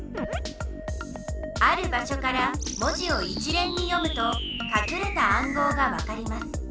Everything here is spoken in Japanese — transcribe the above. ある場しょから文字を一れんに読むとかくれた暗号がわかります。